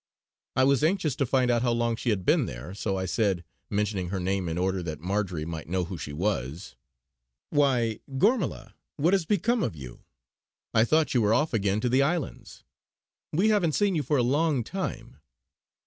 I was anxious to find out how long she had been there, so I said, mentioning her name in order that Marjory might know who she was: "Why, Gormala, what has become of you? I thought you were off again to the Islands. We haven't seen you for a long time."